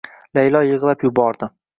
Laylo yig`lab yubordi